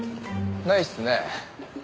ないっすね。